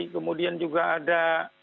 kemudian juga ada